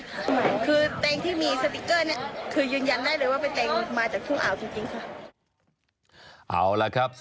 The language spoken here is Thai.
เหมือนคือเต็งที่มีสติ๊กเกอร์เนี่ยคือยืนยันได้เลยว่าเป็นเต็งมาจากผู้อาวจริงค่ะ